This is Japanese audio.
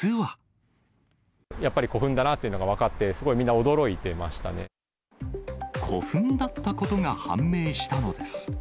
やっぱり古墳だなというのが分かって、古墳だったことが判明したのです。